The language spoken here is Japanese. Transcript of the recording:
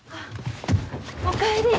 お帰り。